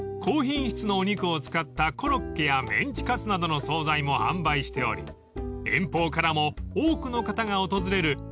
［高品質のお肉を使ったコロッケやメンチカツなどの総菜も販売しており遠方からも多くの方が訪れる